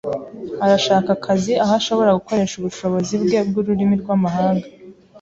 Arashaka akazi aho ashobora gukoresha ubushobozi bwe bwururimi rwamahanga.